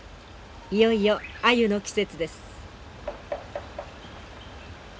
いよいよアユの季節です。